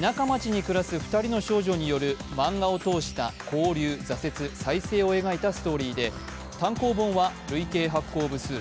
田舎町に暮らす２人の少女による漫画を通した交流、挫折、再生を描いたストーリーです。